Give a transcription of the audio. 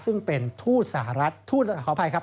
ซึ่งเป็นทูตสหรัฐทูตขออภัยครับ